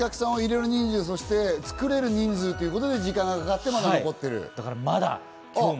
そして作れる人数ということで、時間がかかって、まだ残ってると。